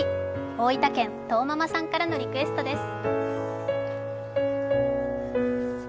大分県、とうままさんからのリクエストです。